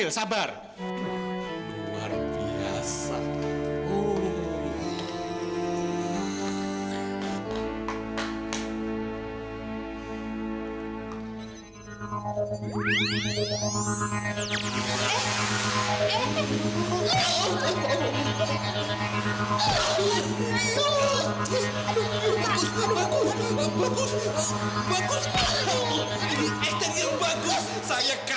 eh apa pak